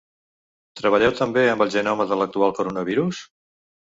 Treballeu també amb el genoma de l’actual coronavirus?